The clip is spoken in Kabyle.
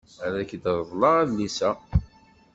Ad ak-reḍleɣ adlis-a.